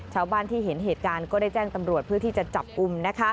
ชาวบ้านที่เห็นเหตุการณ์ก็ได้แจ้งตำรวจเพื่อที่จะจับกลุ่ม